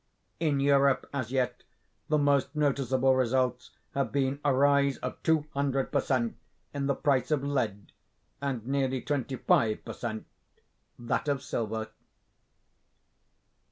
In Europe, as yet, the most noticeable results have been a rise of two hundred per cent. in the price of lead, and nearly twenty five per cent. that of silver.